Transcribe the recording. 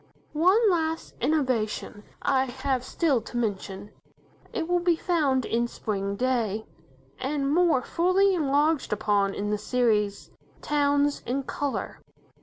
One last innovation I have still to mention. It will be found in "Spring Day", and more fully enlarged upon in the series, "Towns in Colour".